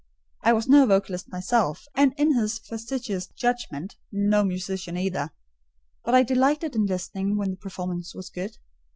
I was no vocalist myself, and, in his fastidious judgment, no musician, either; but I delighted in listening when the performance was good.